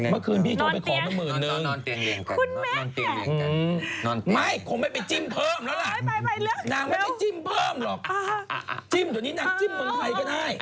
ไม่คงไม่ไปจิ้มเพิ่มแล้วละ